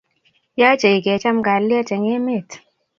Yache kkecham kalyet en emet